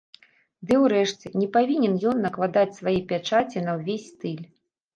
Ды ўрэшце, не павінен ён накладаць свае пячаці на ўвесь стыль.